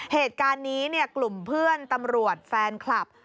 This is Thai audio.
เหตุการณ์นี้กลุ่มเพื่อนตำรวจแฟนคลับ